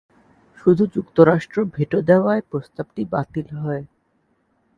শুধু যুক্তরাষ্ট্র ভেটো দেওয়ায় প্রস্তাবটি বাতিল হয়।